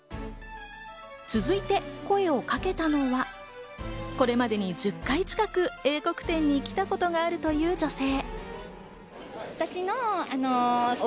続いて声をかけたのは、これまでに１０回近く英国展に来たことがあるという女性。